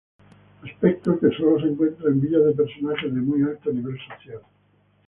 Aspecto que sólo se encuentra en villas de personajes de muy alto nivel social.